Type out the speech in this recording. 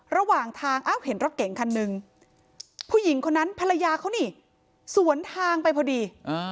ระหว่างทางเห็นรถเก่งคันหนึ่งผู้หญิงคนนั้นภรรยาเขานี่สวนทางไปพอดี